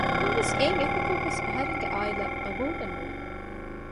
ނަމަވެސް އެއިން އެކަކަށްވެސް އަހަރެންގެ އާއިލާ ޤަބޫލެއް ނުވި